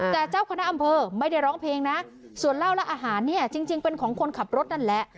แต่เจ้าคณะอำเภอไม่ได้ร้องเพลงนะส่วนเหล้าและอาหารเนี่ยจริงเป็นของคนขับรถนั่นแหละ